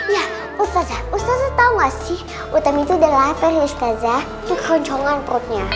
ya ustazah ustazah tau gak sih utam itu adalah peristaza itu keroncongan perutnya